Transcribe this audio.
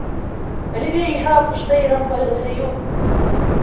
Әлегә иһә АҠШ-та Иран ҡайғыһы юҡ.